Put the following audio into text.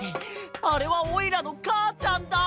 あれはおいらのかあちゃんだ！